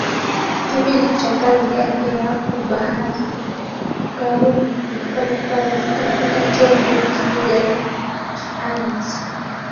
Kipindi Cha kazi yake ya ubaharia karume alifanya kazi katika chombo kimoja na Khamis